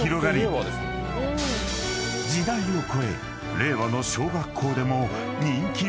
［時代を超え令和の小学校でも人気メニューに］